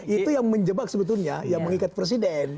itu yang menjebak sebetulnya yang mengikat presiden